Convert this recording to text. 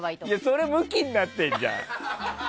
それはむきになってるじゃん！